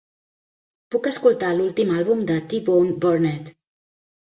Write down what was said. puc escoltar l'últim àlbum de T-bone Burnett